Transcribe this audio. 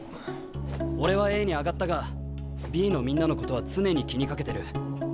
俺はＡに上がったがＢのみんなのことは常に気にかけてる。